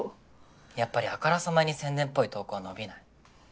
やっぱりあからさまに宣伝っぽい投稿は伸びない。